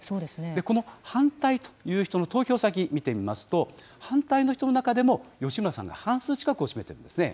この反対という人の投票先、見てみますと、反対の人の中でも、吉村さんが半数近くを占めているんですね。